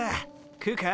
食うか？